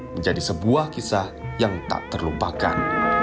menjadi sebuah kisah yang tak terlupakan